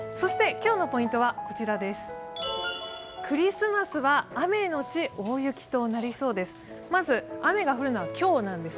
今日のポイントは、クリスマスは雨のち大雪となりそうです。